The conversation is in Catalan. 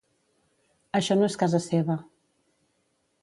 Això no és casa seva